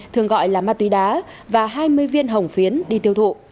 thường gọi là ma túy đá và hai mươi viên hồng phiến đi tiêu thụ